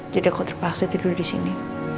jadi aku terpaksa tidur disini